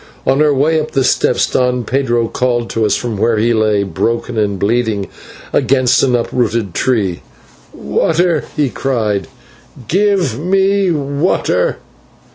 On our way up the steps, Don Pedro called to us from where he lay broken and bleeding against an uprooted tree. "Water," he cried, "give me water."